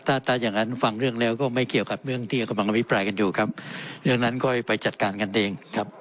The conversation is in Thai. ถ้าถ้าอย่างนั้นฟังเรื่องแล้วก็ไม่เกี่ยวกับเรื่องที่กำลังอภิปรายกันอยู่ครับเรื่องนั้นก็ไปจัดการกันเองครับ